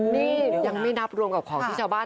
นี่ยังไม่นับรวมกับของที่ชาวบ้าน